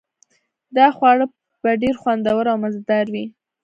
دا خواړه به ډیر خوندور او مزه دار وي